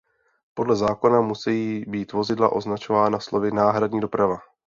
Podle zákona musejí být vozidla označena slovy „náhradní doprava“.